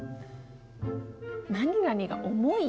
「何々が重い」？